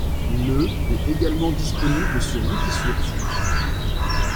Le est également disponible sur Wikisource.